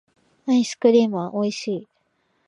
アイスクリームはおいしい